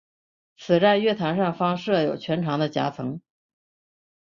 此站月台上方设有全长的夹层。